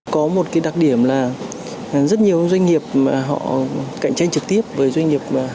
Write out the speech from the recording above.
có một cái đặc điểm là rất nhiều doanh nghiệp họ cạnh tranh trực tiếp với doanh nghiệp khác